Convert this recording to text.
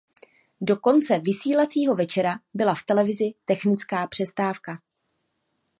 Do konce vysílacího večera byla v televizi „technická přestávka“.